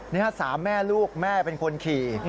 นี่๓แม่ลูกแม่เป็นคนขี่